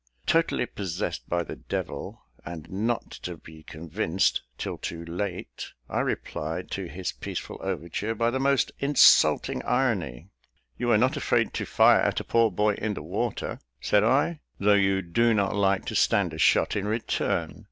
Totally possessed by the devil, and not to be convinced, till too late, I replied to his peaceful overture by the most insulting irony: "You were not afraid to fire at a poor boy in the water," said I, "though you do not like to stand a shot in return.